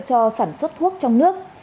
cho sản xuất thuốc trong nước